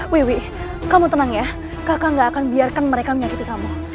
wiwi kamu tenang ya kakak gak akan biarkan mereka menyakiti kamu